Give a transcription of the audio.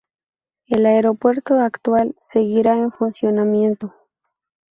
El aeropuerto actual seguirá en funcionamiento.